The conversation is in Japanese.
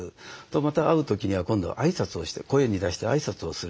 また会う時には今度は挨拶をして声に出して挨拶をする。